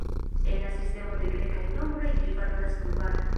En la sistemo de grekaj nombroj ĝi valoras kvar.